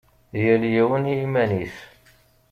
Yal yiwen i yiman-is.